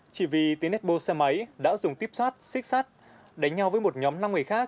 chỉ vì tiếng nét bô xe máy đã dùng tiếp xác xích xác đánh nhau với một nhóm năm người khác